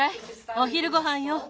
おひるごはんよ。